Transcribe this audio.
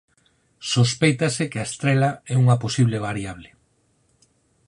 Sospeitase que a estrela é unha posible variable.